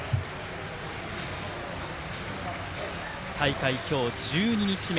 大会今日１２日目。